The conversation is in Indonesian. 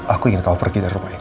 aku ingin kau pergi dari rumah ini